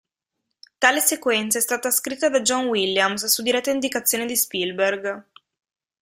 Tale sequenza è stata scritta da John Williams, su diretta indicazione di Spielberg.